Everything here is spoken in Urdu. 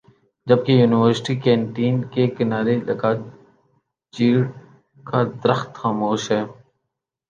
جبکہ یونیورسٹی کینٹین کے کنارے لگا چیڑ کا درخت خاموش ہے